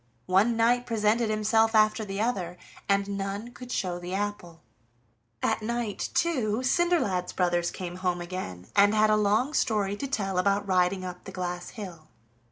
One knight presented himself after the other, and none could show the apple. At night, too, Cinderlad's brothers came home again and had a long story to tell about riding up the glass hill.